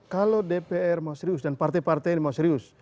kalau dpr mau serius dan partai partai ini mau serius